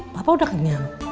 papa udah kenyal